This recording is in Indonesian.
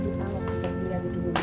tetap dia di tubuhnya